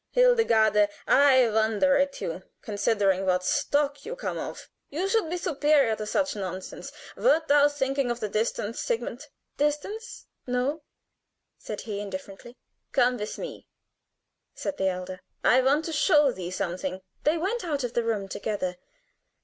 Hildegarde, I wonder at you; considering what stock you come of, you should be superior to such nonsense! Wert thou thinking of the distance, Sigmund?" "Distance no," said he, indifferently. "Come with me," said the elder. "I want to show thee something." They went out of the room together.